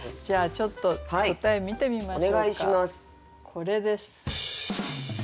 これです。